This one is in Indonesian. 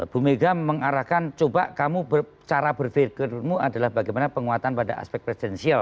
bu mega mengarahkan coba kamu cara berpikirmu adalah bagaimana penguatan pada aspek presidensial